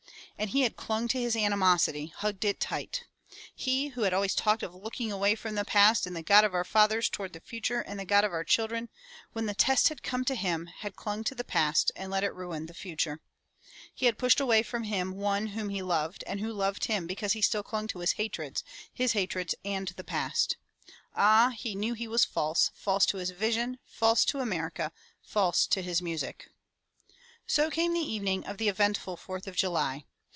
And he had clung to his animosity, hugged it tight. He who had talked always of looking away from the past and the God of our fathers toward the future and the God of our children, when the test had come to him, had clung to the past and let it ruin the future. He had pushed away from him one whom he loved and who loved him because he still clung to his hatreds, his hatreds and the past. Ah, he knew he was false, false to his vision, false to America, false to his music. So came the evening of the eventful Fourth of July.